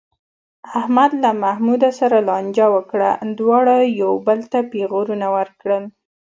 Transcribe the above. احمد له محمود سره لانجه وکړه، دواړو یو بل ته پېغورونه ورکړل.